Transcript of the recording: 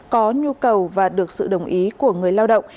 có nhu cầu và được sự đồng ý của người lao động